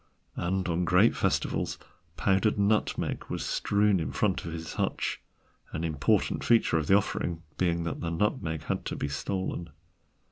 And on great festivals powdered nutmeg was strewn in front of his hutch, an important feature of the offering being that the nutmeg had to be stolen.